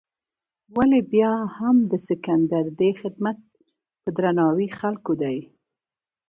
ولې بیا هم د سکندر دې خدمت په درناوي خلکو دی.